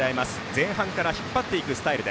前半から引っ張っていくスタイル。